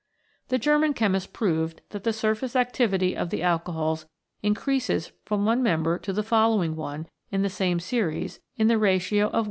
The German chemist proved that the surface activity of the alcohols increases from one member to the following one in the same series in the ratio 1:3.